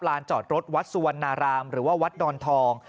จอดรถวัดสุวรรณารามหรือว่าวัดดอนทอง